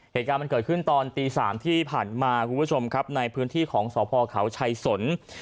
เหตุการณ์มันเกิดขึ้นตอนตี๓ที่ผ่านมาคุณผู้ชมครับในพื้นที่ของสพเขาชัยสน